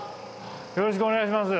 よろしくお願いします。